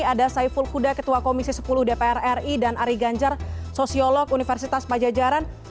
ada saiful kuda ketua komisi sepuluh dpr ri dan ari ganjar sosiolog universitas pajajaran